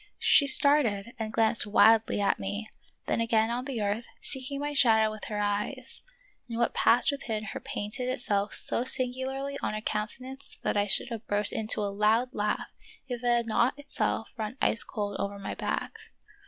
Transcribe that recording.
She started and glanced wildly at me, then again on the earth, seeking my shadow with her eyes ; and what passed within her painted itself so singu larly on her countenance that I should have burst into a loud laugh if it had not itself run ice cold over my back.